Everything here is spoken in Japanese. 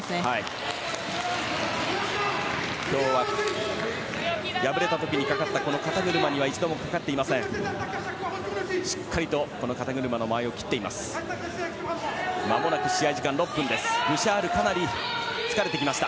今日は敗れた時にかかった肩車には一度もかかっていません。